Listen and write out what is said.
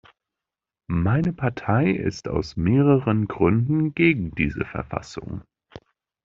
Meine Partei ist aus mehreren Gründen gegen diese Verfassung.